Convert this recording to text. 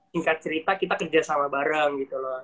singkat cerita kita kerja sama bareng gitu loh